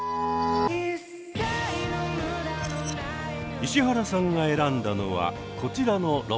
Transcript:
石原さんが選んだのはこちらの６本。